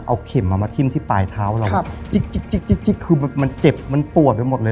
เอาเข็มมามาทิ้มที่ปลายเท้าเราครับจิ๊กจิ๊กจิ๊กจิ๊กคือมันมันเจ็บมันปวดไปหมดเลย